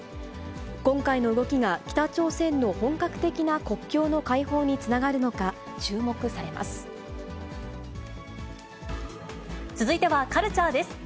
今回の動きが北朝鮮の本格的な国境の開放につながるのか注目され続いてはカルチャーです。